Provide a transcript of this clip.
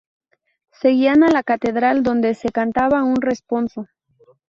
Seguían a la catedral donde se cantaba un responso.